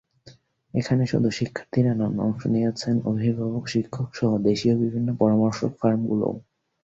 এখানে শুধু শিক্ষার্থীরা নন, অংশ নিয়েছেন অভিভাবক, শিক্ষকসহ দেশীয় বিভিন্ন পরামর্শক ফার্মগুলোও।